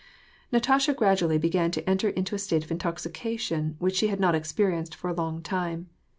Natasha gradually began to enter into a state of intoxication which she had not experienced for a long time.